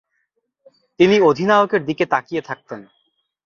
তিনি অধিনায়কের দিকে তাকিয়ে থাকতেন।